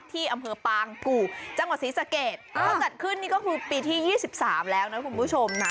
ที่อำเภอปางกู่จังหวัดศรีสะเกดเขาจัดขึ้นนี่ก็คือปีที่๒๓แล้วนะคุณผู้ชมนะ